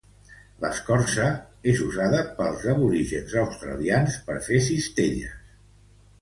L'escorça és usada pels aborígens australians per fer cistelles.